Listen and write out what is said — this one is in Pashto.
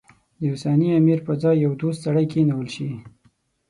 د اوسني امیر پر ځای یو دوست سړی کېنول شي.